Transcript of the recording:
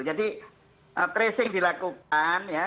jadi tracing dilakukan ya